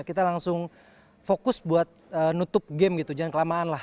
kita langsung fokus buat nutup game gitu jangan kelamaan lah